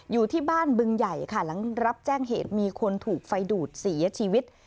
อยู่ที่บ้านบึงใหญ่ค่ะหลังรับแจ้งเหตุมีคนถูกไฟดูดเสียชีวิต